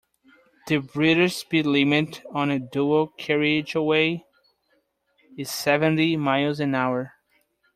The British speed limit on a dual carriageway is seventy miles an hour